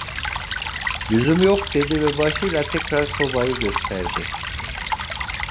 "Lüzumu yok!" dedi ve başıyla tekrar sobayı gösterdi.